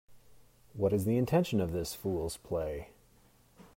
What is the intention of this fool's play?